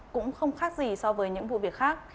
cũng không khác gì so với những vụ việc khác